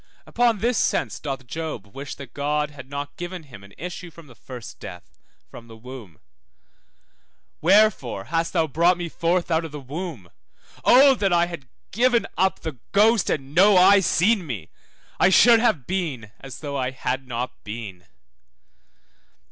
Upon this sense doth Job wish that God had not given him an issue from the first death, from the womb, Wherefore thou hast brought me forth out of the womb? Oh that I had given up the ghost, and no eye seen me! I should have been as though I had not been.